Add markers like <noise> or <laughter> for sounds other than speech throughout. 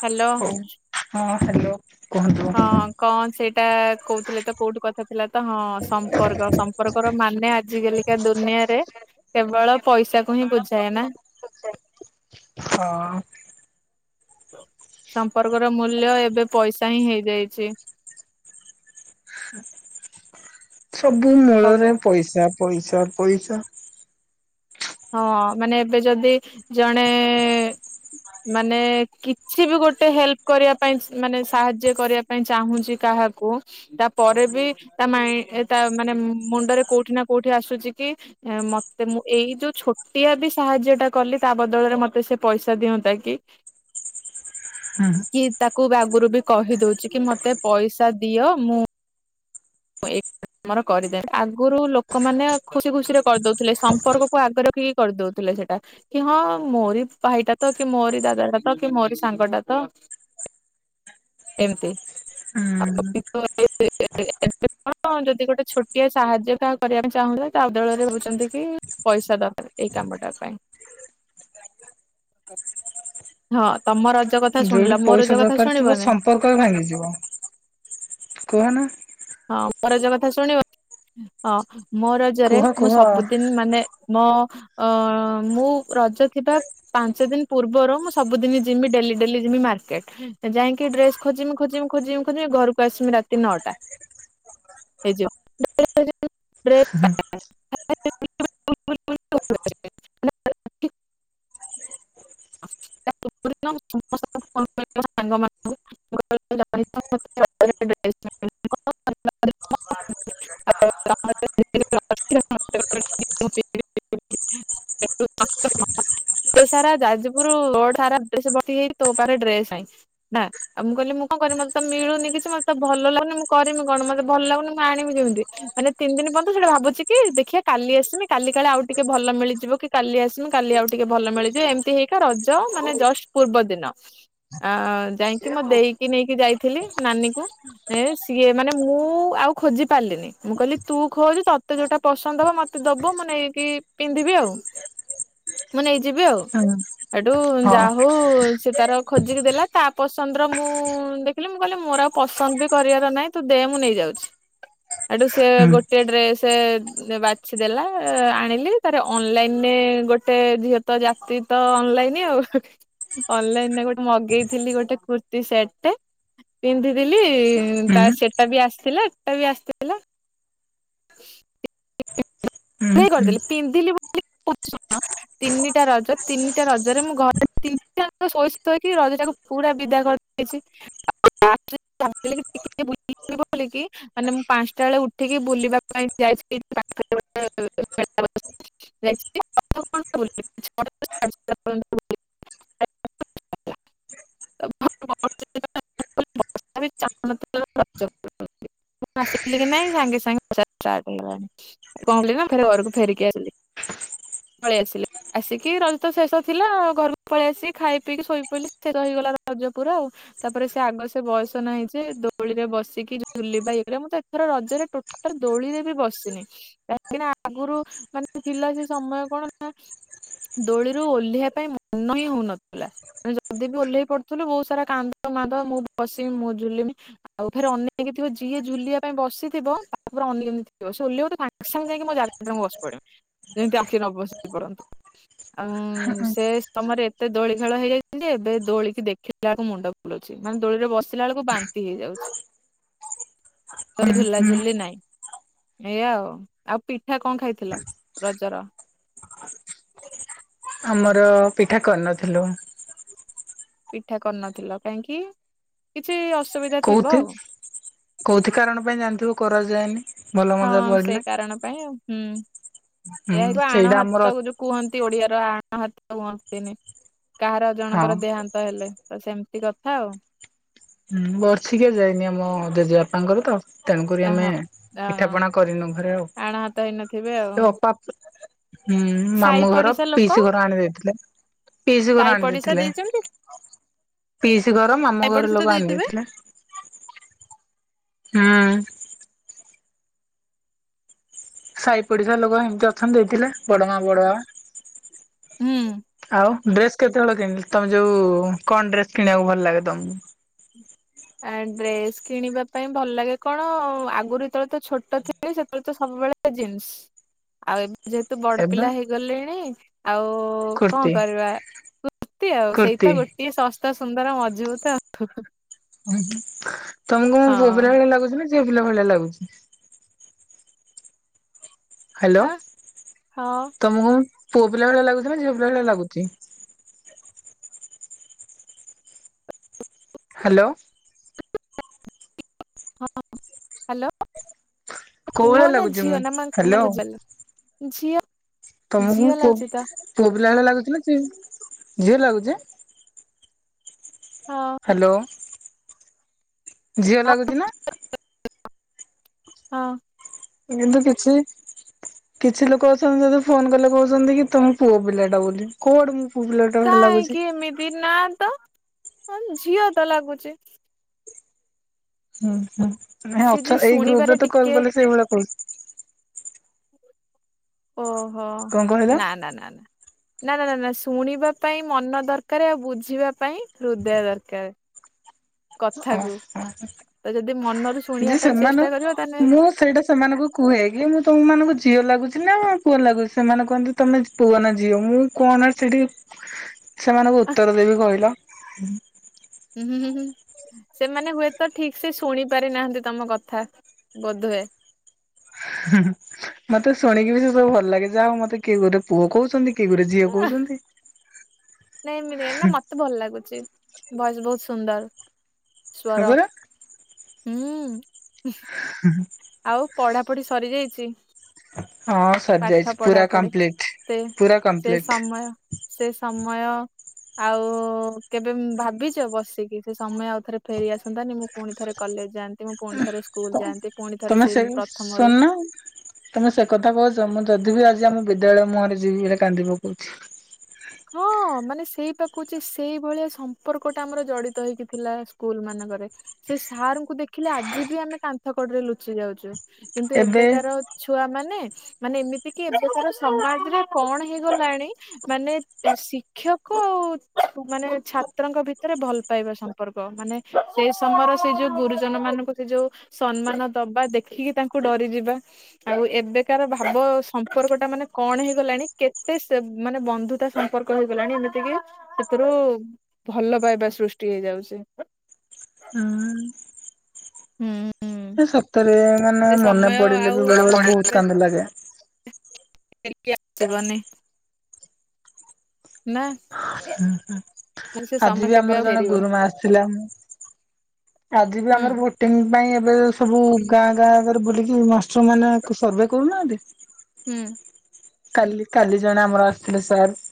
Hello. Hello. ହଁ କଣ ସେଇଟା କୋଉ ଥିଲେ ତ କୋଉଠି କଥା ଥିଲା ତ ହଁ ସମ୍ପର୍କ ସମ୍ପର୍କର ମାନେ ଆଜି କାଲିକା ଦୁନିଆରେ କେବଳ ପଇସାକୁ ହିଁ ବୁଝାଏ ନା। ହଁ। ସମ୍ପର୍କର ମୂଲ୍ୟ ଏବେ ପଇସା ହିଁ ହେଇଯାଇଚି। ସବୁ ମୂଳରେ ପଇସା ପଇସା। ତାର ପଇସା ହଁ ମାନେ ଏବେ ଯଦି ଜଣେ ମାନେ କିଛି ବି ଗୋଟେ ହେଲ୍ପ କରିବା ପାଇଁ ମାନେ ସାହାଯ୍ୟ କରିବା ପାଇଁ ଚାହୁଁଚି କାହାକୁ। ତା ପରେ ବି ତା ମାଇଁ ତା ମାନେ ମୁଣ୍ଡରେ କୋଉଠି ନା କୋଉଠି ଆସୁଛି କି ଏଁ ମତେ ମୁଁ ଏଇ ଯୋ ଛୋଟିଆ ବି ସାହାଯ୍ୟ ଟା କଲି ତା ବଦଳରେ ମତେ ସେ ପଇସା ଦିଅନ୍ତା କି। ହୁଁ କି ତାକୁ ଆଗରୁ ବି କହିଦଉଛି କି ମତେ ପଇସା ଦିଅ ମୁଁ ଆମର କରିଦେଏ ଆଗରୁ ଲୋକମାନେ ଖୁସି ଖୁସିରେ କରିଦଉଥିଲେ। ସମ୍ପର୍କକୁ ଆଗ ରଖିକି କରିଦଉଥିଲେ ସେଇଟା। କି ହଁ ମୋରି ଭାଇଟା ତ କି ମୋରି ଦାଦାଟା ତ କି ମୋରି ସାଙ୍ଗଟା ତ ଏମତି। ହୁଁ। ଏବେ କଣ ଯଦି ଗୋଟେ ଛୋଟିଆ ସାହାଯ୍ୟ କାହାକୁ କରିବାକୁ ଚାହୁଁ ତା ବଦଳରେ ଭାବୁଛନ୍ତି କି ପଇସା ଦରକାର ଏଇ କାମଟା ପାଇଁ। ହଁ ତମର ଯୋଉଠି ପଇସା ଦରକାର ଥିବ ସମ୍ପର୍କ ବି ଭାଙ୍ଗିଯିବ କୁହ ନା। ହଁ ମୋ ରଜ କଥା ଶୁଣିବ? ହଁମ୍ ହଁ। ମୋ ରଜରେ କୁହ ମୁଁ କୁହ। ସବୁଦିନ ମାନେ ମୋ ମୁଁ ରଜ ଥିବା ପାଞ୍ଚ ଦିନ ପୂର୍ବରୁ, ମୁଁ ସବୁଦିନ ଯିମି, ଡେଲି ଡେଲି ଯିମି ମାର୍କେଟ, ଯାଇକି ଡ୍ରେସ୍ ଖୋଜିମି ଖୋଜିମି ଖୋଜିମି ଖୋଜିମି, ଘରକୁ ଆସିମି ରାତି ନଅଟା। <unintelligible> <unintelligible> ସାରା ଯାଜପୁର ରୋଡ ସାରା ଡ୍ରେସ ଭର୍ତି ହେଇଛି, ତୋ ପାଖରେ ଡ୍ରେସ୍ ନାଇ ନା? ଆଉ ମୁଁ କହିଲି ମୁଁ କଣ କରିବି ମତେ ତ ମିଳୁନି କିଛି ମତେ ତ ଭଲ ଲାଗୁନି ମୁଁ କରିମି କଣ ମତେ ଭଲ ଲାଗୁନି, ମୁଁ ଆଣିବି କେମିତି, ମାନେ ତିନି ଦିନ ପର୍ଯ୍ୟନ୍ତ ସେଇଟା ଭାବୁଛି କି ଦେଖିବା କାଲି ଆସିମି କାଲି କାଳେ ଆଉ ଟିକେ ଭଲ ମିଳିଯିବ କି କାଲି ଆସିମି କାଲି ଆଉ ଟିକେ ଭଲ ମିଳିଯିବ, ଏମିତି ହେଇକ, ରଜ ମାନେ ଜଷ୍ଟ୍ ପୂର୍ବ ଦିନ, ଆ ଯାଇକି ମୋ ଦେଇକି ନେଇକି ଯାଇଥିଲି ନାନୀ କୁ ଏ ସେ। ସିଏ ମାନେ ମୁଁ ଆଉ ଖୋଜି ପାରିଲିନି, ମୁଁ କହିଲି ତୁ ଖୋଜ, ତୋତେ ଯୋଉଟା ପସନ୍ଦ ହବ, ମୋତେ ଦବୁ ମୁଁ ନେଇକି ପିନ୍ଧିବି ଆଉ, ମୁଁ ନେଇଯିବି ଆଉ। ହୁଁ ଏଠୁ ହଁ ଯାହା ହଉ ସେ ତାର ଖୋଜିକି ଦେଲା, ତା ପସନ୍ଦର ମୁଁ ଦେଖିଲି, ମୁଁ କହିଲି ମୋର ଆଉ ପସନ୍ଦ ବି କରିବାର ନାହିଁ। ତୁ ଦେ ମୁଁ ନେଇ ଯାଉଛି, ସେଇଠୁ ସେ ହୁଁ ଗୋଟେ ଡ୍ରେସ୍ ବାଛି ଦେଲା, ଆଣିଲି ତାରେ ଅନଲାଇନରେ ଗୋଟେ ଝିଅ ତ ଜାତି ତ, ଅନଲାଇନ ଆଉ, ଅନଲାଇନରେ ଗୋଟେ ମଗେଇଥିଲି ଗୋଟେ କୁର୍ତିୀ ସେଟ୍ ଟେ ପିନ୍ଧିଥିଲି ତା ହୁଁ। ସେଟା ବି ଆସିଥିଲା ଏଟା ବି ଆସିଥିଲା <inaudible> ହୁଁ ହୁଁ କରିଦେଲି ପିନ୍ଧିଲି ବୋଲି <unintelligible> ତିନିଟା ରଜ ତିନିଟା ରଜରେ ମୁଁ ଘରେ ଶୋଇକି ଶୋଇକି ରଜଟାକୁ ପୁରା ବିଦା କରିଦେଇଛି। ତାପରେ ଭାବିଲି ଟିକେ ବୁଲିବି ବୋଲି କି ମାନେ ମୁଁ ପାଞ୍ଚଟା ବେଳେ ଉଠିକି ବୁଲିବା ପାଇଁ ଯାଇଥିଲି। <unintelligible> ମୁ ଆସିଥିଲି କି ନହିଁ ସାଙ୍ଗେ ସାଙ୍ଗେ ସ ହେଇଗଲାଣି। କଣ କଲି ନା ଘରକୁ ଫେରିକି ଆସିଲି। ପଳେଇ ଆସିଲି, ଆସିକି ରଜ ତ ଶେଷ ଥିଲା। ଘରକୁ ପଳେଇ ଆସିକି ଖାଇ ପିଇକି ଶୋଇପଡିଲି ଶେଷ ହେଇଗଲା ରଜ ପୁରା ଆଉ, ତାପରେ ସେ ଆଗ ସେ ବୟସ ନାଇଁ ଯେ ଦୋଳିରେ ବସିକି ଝୁଲିବା ଇୟେ କରିବା ମୁଁତ ଏଥର ରଜରେ ଟୋଟାଲ୍ ଦୋଳିରେ ବି ବସିନି। କାହିଁକିନା ଆଗରୁ ମାନେ ଥିଲା। ସେ ସମୟ କଣ ନା ଦୋଳିରୁ ଓଲ୍ହେଇବା ପାଇଁ ମନ ହିଁ ହଉନଥିଲା। ଯଦି ବି ଓହ୍ଲେଇ ପଡ଼ୁଥିଲୁ ବହୁତ ସାରା କାନ୍ଦ ମାନ୍ଦ ମୁଁ ବସମି ମୁଁ ଝୁଲିମି ଆଉ ଫେରେ ଅନେଇକି ଥିବ। ଯିଏ ଝୁଲିବା ପାଇଁ ବସିଥିବ ତାକୁ ପୁରା ଅନେଇକି ଏମିତି ଥିବ ସେ ଓଲ୍ହେଇବତ ସାଙ୍ଗେ ସାଙ୍ଗେ ଯାଇକି ମୋ ଜାଗାରେ ମୁଁ ବସି ପଡ଼େ। ଯେମିତି ଆଉ କିଏ ନ ବସି ପଡନ୍ତୁ। ଆଉ ସେ ସମୟରେ ଏତେ ଦୋଳି ଖେଳ ହେଇଯାଇଛି ଯେ ଏବେ ଦୋଳିିକି ଦେଖିଲା ବେଳକୁ ମୁଣ୍ଡ ବୁଲଉଛି ମାନେ ଦୋଳିରେ ବସିଲା ବେଳକୁ ବାନ୍ତି ହେଇଯାଉଛି ହୁଁ ହୁଁ ଝୁଲାଝୁଲି ନାଇଁ ଏଇଆା ଆଉ। ଆଉ ପିଠା କଣ ଖାଇଥିଲ ରଜର? ଆମର ପିଠା କରିନଥିଲୁ। ପିଠା କରିନଥିଲ କାହିଁକି କିଛି ଅସ୍ କୋଉଥି କୋଉଥି କାରଣ ପାଇଁ ଜାଣିଥିବ। କରାଯାଏନି। ଭଲ ମନ୍ଦ ହଁ ପଡିଲେ ସେଇ କାରଣ ପାଇଁ ଆଉ। ହୁଁ। ଏୟା ହୁଁ ହେଉଥିବ ଆଣ ସେଇଟା ଆମର ହାତ ଗୁରେ କୁହନ୍ତି ଓଡ଼ିଆରେ। ଆଣ ହାତ ହୁଅନ୍ତିନି। କାହାର ହଁ ଜଣଙ୍କର ଦେହାନ୍ତ ହେଲେ। ତ ସେମିତି କଥା ଆଉ। ହୁଁ ବର୍ଷିକିଆ ଯାଇନି ଆମ ଜେଜେବାପାଙ୍କର ତ। ତେଣୁକରି ଆମେ ହଁ ପିଠା ପଣା କରିନୁ ଘରେ ଆଣ ହାତ ହେଇନଥିବେ ଆଉ ଆଉ ଅପା ହୁଁ ସାହି ମାମୁଁ ଘର ପଡିଶା ଲୋକ ପିଇସି ଘର ଆଣି ଦେଇଥିଲେ। ପିଇସି ଘର ସାହି ଆଣି ପଡିଶା ଦେଇଥିଲେ ଦେଇଛନ୍ତି ପିସି ଘର ମାମୁଁ ଘର ସାଇପଡିଶା ତ ଲୋକ ଦେଇ ଦେଇଥିବେ? ଥିଲେ। ହୁଁ। ସାହି ପଡ଼ିଶା ଲୋକ ଏମିତି ଅଛନ୍ତି ଦେଇଥିଲେ ବଡ ମା ବଡ ହୁଁ। ବାବା ଆଉ। ଡ୍ରେସ୍ କେତେବେଳେ କିଣିଲି ତମେ ଯୋଉ କଣ ଡ୍ରେସ୍ କିଣିବାକୁ ଭଲ ଲାଗେ ତମକୁ? ଆ ଡ୍ରେସ୍ କିଣିବା ପାଇଁ ଭଲ ଲାଗେ କଣ ଆଗରୁ ଯେତେବେଳେ ତ ଛୋଟ ଥିଲି ସେତେବେଳେ ତ ସବୁବେଳେ ଜିନ୍ସ୍ ଆଉ। ଯେହେତୁ ବଡ଼ ଏବେ? ପିଲା ହେଇଗଲେଣି ଆଉ କଣ କୁର୍ତ୍ତି କରିବା? ମତେ ଆଉ କୁର୍ତ୍ତି ସେଇଟ ଗୋଟେସ୍ ତ ସୁନ୍ଦର ମଜବୁତ୍ ଆଉ। ହୁଁ ହ। ତମକୁ ମୁଁ ବବରାଳି ଲାଗୁଛିି? ପ ଭଳିଆ ଲାଗୁଛି। ହ୍ୟାଲୋ ହଁ ହଁ। ତମକୁ ଅ ଭଳିଆ ଲାଗୁଚି ନା ଝିଅ ପିଲା ଭଳିଆ ଲାଗୁଚି? କି ହ୍ୟାଲୋ। ହଁ ହ୍ୟାଲୋ। କୋଉ ପୁଅ ଭଳିଆ ନା ଲାଗୁଛି ଝିଅ ମୁଁ? ନା ମାନେ ହ୍ୟାଲୋ। ବୁଝିପାରିଲି ଝିଅ। ତମକୁ ମୁଁ ଝିଅ କୋଉ ଲାଗୁଛି ତ ପୁଆପିଲା ଭଳିଆ ଲାଗୁଛି ନା ଝିଅ ଝିଅ ଲାଗୁଛି? ହଁ। ହ୍ୟାଲୋ। ଝିଅ ଲାଗୁଛି ନା? ହଁ। କିନ୍ତୁ କିଛି କିଛି ଲୋକ ଅଛନ୍ତି ଯଦି ଫୋନ କଲେ କହୁଛନ୍ତି କି ତମେ ପୁଅ ପିଲା ଟା ବୋଲି କୋଉ ଆଡୁ ମୁଁ ପୁଅପିଲା ଟା ଭଳି କାହିଁକି ଲାଗୁଛି? ଏମିତି ନା ତ ଝିଅ ତ ଲାଗୁଚି। ହୁଁ ହୁଁ। ନଁ ସେ ଯେ ଅଛ ଏଇ ଶୁଣିବାରେ ଗ୍ରୁପରେ ତ କଲ୍ ଟିକେ କଲେ ସେଇଭଳିଆ କହୁ ଓଃ। ହଁ କଣ କହିଲ? ନା ନା ନା ନା। ନା ନା ନା ନା ଶୁଣିବା ପାଇଁ ମନ ଦରକାର ଆଉ ବୁଝିବା ପାଇଁ ହୃଦୟ ଦରକାର। କଥାକୁ ଓହୋ ତ ଯଦି ମନରୁ ଶୁଣିବା ଯେ ପାଇଁ ସେମାନେ ଚେଷ୍ଟା କରିବ ତାହେଲେ ମୁଁ ସେଇଟା ସେମାନଙ୍କୁ କୁହେ କି ମୁଁ ତମମାନଙ୍କୁ ଝିଅ ଲାଗୁ ଛି ନା ପୁଅ ଲାଗୁଛି ସେମାନେ କହନ୍ତି ତମେ ପୁଅ ନା ଝିଅ ମୁଁ କଣ ସେଠି ସେମାନଙ୍କୁ ଉତ୍ତର ଦେଇବି କହିଲ? ହୁଁ। ହୁଁ ହୁଁ ହୁଁ ସେମାନେ ହୁଏତ ଠିକ ସେ ଶୁଣି ପାରି ନାହାନ୍ତି ତମ କଥା ବୋଧୁଏ। ମତେ ଶୁଣିକି ବି ସେସବୁ ଭଲ ଲାଗେ ଯାହା ହଉ ମତେ କିଏ ଗୋଟେ ପୁଅ କହୁଛନ୍ତି କି ଗୁରେ ଝିଅ କହୁଛନ୍ତି। ନାଇଁ ଏମିତି ଏମ୍ ନା ମତେ ଭଲ ଲାଗୁଛି। ଭଏସ୍ ବହୁତ୍ ସୁନ୍ଦର୍। ସ୍ୱର। ସତରେ। ହୁଁ। ଆଉ ପଢାପଢି ସରି ଯାଇଛି? ହଁ ସରିଯାଇଛି ପୁରା କମ୍ପ୍ଲିଟ୍ ସେ ପୁରା କମ୍ପ୍ଲିଟ୍। ମୟ ଆଉ କେବେ ଭାବିଛ ବସିକି? ସେ ସମୟ ଆଉ ଥରେ ଫେରିଆସନ୍ତାନି ମୁଁ ପୁଣି ଥରେ କଲେଜ ଯାଆନ୍ତି ମୁଁ ପୁଣି ଥରେ ସ୍କୁଲ ଯାଆନ୍ତି। ପୁଣି ଥରେ ତମେ ସେଇ ସେ ପ୍ରଥମରୁ ଶୁନ ତମେ ସେ କଥା କହୁଛ ମୁଁ ଯଦି ବିି ଆ ଆମ ବିଦ୍ୟାଳୟ ମରିଯିବି ଏ କାନ୍ଦି ପକଉଛି। ହଁ ମାନେ ସେଇ ପା କହୁଛି ସେଇଭଳିଆ ସମ୍ପର୍କ ଟା ଆମର ଜଡିତ ହେଇକି ଥିଲା ସ୍କୁଲ ମାନଙ୍କରେ ସେ ସାର୍ ଙ୍କୁ ଦେଖିଲେ ଆଜି ବି ଆମେ କାନ୍ଥ କଡରେ ଲୁଚି ଯାଉଛୁ। କିନ୍ତୁ ଏବେ ଏବେକାର ଛୁଆ ମାନେ ମାନେ ଏମିତି କି ଏବେ କାର ସମାଜରେ କଣ ହେଇଗଲାଣି ମାନେ ଶିକ୍ଷକ ଆଉ ମାନେ ଛାତ୍ରଙ୍କ ଭିତରେ ଭଲ ପାଇବା ସମ୍ପର୍କ ମାନେ ସେଇ ସମୟର ସେଇ ଯୋଉ ଗୁରୁଜନ ମାନଙ୍କୁ ସେ ଯୋଉ ସମ୍ମାନ ଦବା ଦେଖିକି ତାଙ୍କୁ ଡରିଯିବା ଆଉ ଏବେକାର ଭାବ ସମ୍ପର୍କ ଟା ମାନେ କଣ ହେଇଗଲାଣି କେତେ ମାନେ ବନ୍ଧୁତା। ସମ୍ପର୍କ ହେଇଗଲାଣି ଏମିତିକି ସେଥିରୁ ଭଲ ପାଇବା ସୃଷ୍ଟି ହେଇଯାଉଛି। ହୁଁ। ହୁଁ। ସେ ସତରେ ମାନେ ମନେ ପଡିଲେ ଆଉ ବି କେବେ ବେଳେ ବେଳେ ବହୁତ କାନ୍ଦି ଲାଗେ। କେତେ ମାନେ। ନା। ହଁ ହୁଁ ସେ ଆଜି ସମୟ ବି କେବେ ଆମର ଆଉ ଜଣେ ଫେରିବନି ଗୁରୁମା ଆସିଥିଲା ମୁଁ ଆଜି ବି ହୁଁ ଆମର ଭୋଟିଂ ପାଇଁ। ଏ ସବୁ ଗାଁ ଗାଁରେ ବୁଲିକି ମ ସେ ମାନଙ୍କୁ ସର୍ଭେ କରୁନାହାନ୍ତି। ହୁଁ। କାଲି କାଲି ଜଣେ ଆମର ଆସି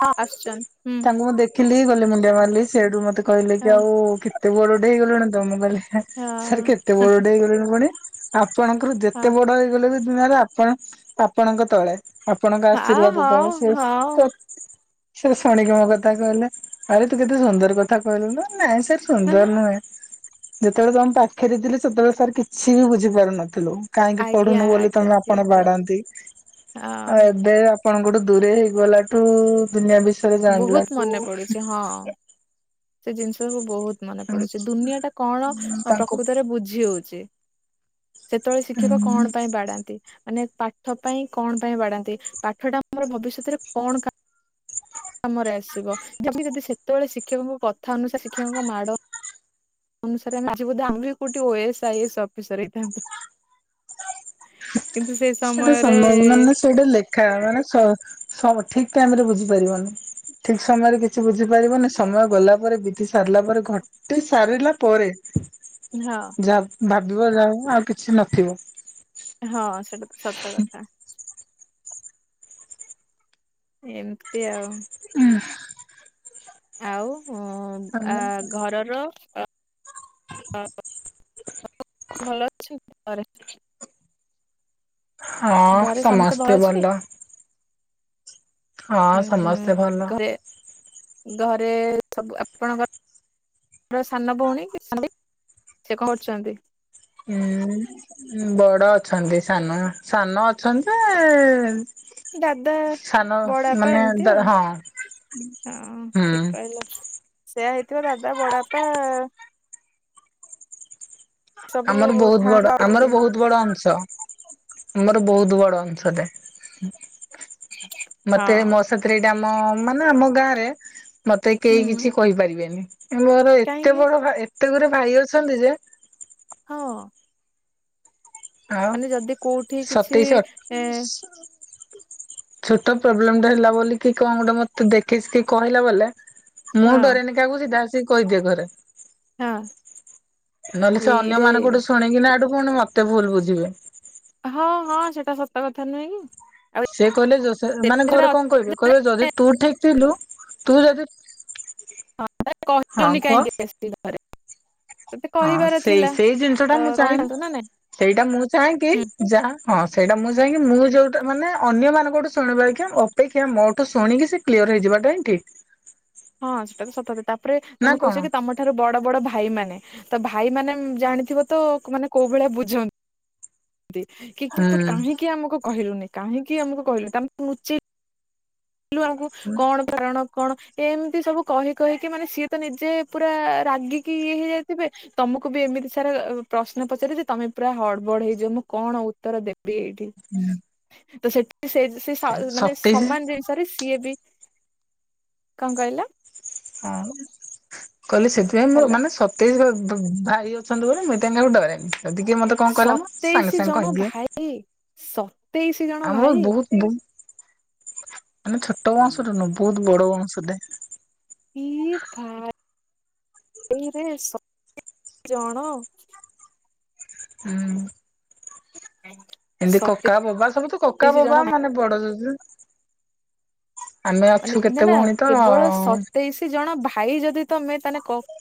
ହଁ ଆଶ୍ଚଛନ୍ତି ହୁଁ। ମୁଁ ଦେଖିଲି ଗଲି ମୁଣ୍ଡିଆ ମାରିଲି ସେଇଠୁ ମତେ। କହିଲେ କି ଆଉ ହଁ କେ ତୁ ବଡ଼ଟେ ହେଇଲୁଣି ତ ମୁଁ କାଲି ସାର୍ କେତେ ବଡ ଟେ ହେଇଗଲିଣି ପୁଣି। ଷ୍ଟାପ ପଣଙ୍କର ହଁ ଯେତେ ବଡ ହେଇଗଲେ ବି। ଦିନରେ ଆପଣ। ଆପଣଙ୍କ ତଳେ ଆପଣଙ୍କ ହଁ ହଁ ଆଶୀର୍ବାଦ ହଉ ତଳେ ସେ ହଉ ସେବି ଶୁଣିକି ମୋ କଥା। କଥା କହିଲେ ଆରେ ତୁ କେତେ ସୁନ୍ଦର କଥା କହିଲୁଣୁ। ନାଇଁ ସେ ସୁନ୍ଦର ନୁହେଁ। ଯେତେବେଳେ ତମେ ପାଖରେ ଥିଲି ସେତେବେଳେ ସାର୍ କିଛି ବି ବୁଝି ପାରୁନଥିଲୁ। କାହିଁକି ଆଜ୍ଞା ପଢ଼ୁନୁ ବୋଲି ଆଜ୍ଞା ତମେ ଠିକ ଆପଣ ଠିକ ବାଡାନ୍ତି ଆଉ ହଁ ଏବେ ତାଙ୍କ ଠୁ ଦୂରେ ହେଇଗଲାଠୁ ଦୁନିଆ ବିଷୟରେ ଜାଣିଲା ବହୁତ ମନେ ପଡୁଛି ହଁ ସେ ଜିନିଷ ସବୁ ବହୁତ ମନେ ପଡ଼ୁଛି ଦୁନିଆ ଟା କଣ ତାଙ୍କୁ ପ୍ରକୃତରେ ବୁଝି ହଉଛି। ସେତେବେଳେ ଶିକ୍ଷକ ହୁଁ କଣ ପାଇଁ ବାଡ଼ାନ୍ତି? ମାନେ ପାଠ ପାଇଁ କଣ ପାଇଁ ବାଡ଼ାନ୍ତି ପାଠ ଟା ଆମର ଭବିଷ୍ୟତରେ କଣ କା କାମରେ ଆସିବ ଯେତି ଯଦି ସେତେବେଳେ ଶିକ୍ଷକଙ୍କ କଥା ଅନୁସାରେ ଶିକ୍ଷକଙ୍କ ମାଡ଼ ଅନୁସାରେ ଆଜି ବୋଧେ ଆମେ ବି କୋଉଠି ଓଏସ୍ ଆଇଏସ୍ ଅଫିସର ହେଇଥାନ୍ତୁ। କିନ୍ତୁ ସେ ସେଟା ସମୟରେ ସମୟକୁ ମାନେ ସେଟା ଲେଖା ମାନେ ସ ସବୁ ଠିକ ଟାଇମ ରେ ବୁଝି ପାରିବନି, ଠିକ ସମୟରେ କିଛି ବୁଝି ପାରିବନି ସମୟ ଗଲା ପରେ ବିତି ସାରିଲା ପରେ ଘ ତୁ ସାରିଲା ପରେ। ହଁ। ଯାହା ଭାବିବ ଯାହା ଆଉ କିଛି ନଥିବ। ହଁ, ସେଟା ତ ସତ କଥା। ଏମତି ଆଉ। <unintelligible> ଆଉ? ହଁ, ଆ ଘରର <unintelligible> ଭଲ ଅଛି ଘରେ। ହଁ, ସମସ୍ତେ ଭଲ। ହଁ, ସମସ୍ତେ ଭଲ। ଘରେ ଘରେ ରେ, ସବୁ ଆପଣଙ୍କର ସାନ ଭଉଣୀ, କି ସେ କଣ କରୁଛନ୍ତି? ହଁ, ବଡ ଅଛନ୍ତି, ସାନ ସାନ ଅଛନ୍ତି ଯେ ଦାଦା, ସାନ ବଡବାପା, ମାନେ ଏମିତି ଆଉ ହଁ ହଁ ହୁଁ ଠିକ କହିଲ। ସେୟା ହେଇଥିବ, ଦାଦା, ବଡବାପା ସବୁ ଆମର ବହୁତ ବଡ, ଆମର ଥାଆନ୍ତି ବହୁତ ବଡ ଅଂଶ। ତ, ଆମର ବହୁତ ବଡ ଅଂଶଟେ। ମତେ ହଁ। ମୋସାଥିରେ ଏଇଟା ଆମ, ମାନେ ଆମ ଗାଁରେ ମତେ କେହି ହୁଁ କିଛି କହିପାରିବେନି। ମୋର ଏତେ କାହିଁକି ବଡ ଭା ଏ ମତେ ଗୋଟେ ଭାଇ ଅଛନ୍ତି ଯେ ହଁ। ଆଉ ମାନେ ଯଦି କୋଉଠି କିଛି ସତେଇଶ। ଏ <unintelligible> ଛୋଟ ପ୍ରୋବ୍ଲେମଟା ହେଲା ବୋଲି କି କଣ ଗୋଟେ ମତେ ଦେଖେଇିକି କହିଲା ବାଲା ମୁଁ ହଁ ଡରେନିକାକୁ ସିଧା ସ କହିଦିଏ ଘରେ। ହଁ। ନହେଲେ ସେ ଅନ୍ୟ ଏଇରେ ଏଇରେ ମାନଙ୍କୁଠୁ ଶୁଣିକି ଏଠୁ ଫୁଣି ମତେ ଭୁଲ ବୁଝିବେ। ହଁ ହଁ ସେଟା ସତ କଥା ନୁହେଁ କି। ଆଉ ସେ କହିଲେ ଯ ସେ ମାନେ ଏତେଥର ଘରେ କଣ କହିବେ କହିଲେ ଯଦି ତୁ ଠିକ ଥିଲୁ ତୁ ଯଦି <unintelligible> ହଁ କାଇଁ କୁହ ଘରେ। ତତେ ହଁ କହିବାର ସେଇ ଥିଲା ସେଇ ଜିନିଷ ଟା ତ ମୁଁ କହିଥାନ୍ତୁ ଚାହେଁନି ନା ନାଇଁ। ସେଇଟା ମୁଁ ଚାହେଁ କି ଯା ହଁ ସେଇଟା ମୁଁ ଯାଇଁକି ମୁଁ ଯୋଉଟ ମାନେ ଅନ୍ୟମାନାନଙ୍କଠୁ ଶୁଣିବାେକ୍ଷା ଅପେକ୍ଷା ମୋଠୁ ଶୁଣିକି ସେ କ୍ଲିୟର ହେଇଯିବାଟା ଠିକ୍। ହଁ ସେଟା ତ ସତରେ। ତାପରେ ନା ତମେ କଣ? କହୁଛ କି ତମ ଠାରୁ ବଡ ବଡ ଭାଇ ମାନେ ତ ଭାଇ ମାନେ ଜାଣିଥିବ ତ ମାନେ କୋଉ ଭଳିଆ ବୁଝନ୍ତୁ କି କି ତୁ ହୁଁ କାହିଁକି ଆମକୁ କହିଲୁନି କାହିଁକି ଆମକୁ କହିଲୁ ତା <unintelligible> କୁ ଆମକୁ କଣ କାରଣ କଣ ଏ ଏମିତି ସବୁ କହି କହିକି ମାନେ ସିଏ ତ ନିଜେ ପୁରା ରାଗିକି ଇଏ ହେଇଯାଇଥିବେ, ତମକୁ ବି ଏମିତି ସାରା ପ୍ରଶ୍ନ ପଚାରେ ଯେ ତମେ ପୁରା ହଡବଡ ହେଇଯିବ ମୁଁ କଣ ଉତ୍ତର ଦେବି ଦେବି ଏଇଠି। ତ ସେ ସେ ସେ ମାନେ <unintelligible> ସତେଇଶି ସମାନ ଯେ ସିଏ ବି କଣ କହିଲା? ହଁ। କହିଲେ ସେଥିପାଇଁ ମୋର ହ୍ୟାଲୋ ମାନେ ସତେଇଶର ଭାଇ ଅଛନ୍ତି ବୋଲି ମୁଇଁ ତାଙ୍କୁ ଡରେ। ଟିକେ ମୋତେ କଣ କହିଲା ମାନେ ମୁ ସାଙ୍ଗେ ସାଙ୍ଗେ କହିଦିଏ। ସ ଆମର ବହୁତ ବହୁ ମାନେ ଛୋଟ ବୟସରୁ ବହୁତ ବଡ ବଂଶଟେ। ଇଏ ଭାଇ। ଏଇରେ ସତେଇଶି ଜଣ। ହୁଁ। ଏମିତି କକା ବବା ସବୁ ତ କକା ସତେଇଶି ବବା ଜଣ ମାନେ ବଡ- ଆମେ ଅଛୁ ନା କେତେ ନା ଭଉଣୀ ତ କେବଳ ସତେଇଶି ଜଣ ଭା- ଭାଇ ଯଦି ତମେ ତାହେଲେ କ-